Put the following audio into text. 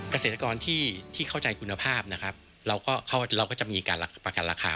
เกษตรกรที่เข้าใจคุณภาพนะครับเราก็จะมีการประกันราคา